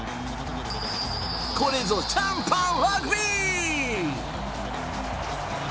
これぞ、シャンパンラグビー！